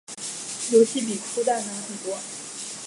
游戏比初代难很多。